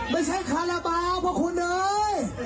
ไม่ใช่คาราเปราเพราะคุณเนย